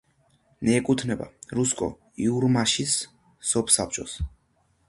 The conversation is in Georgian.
მიეკუთვნება რუსკო-იურმაშის სოფსაბჭოს.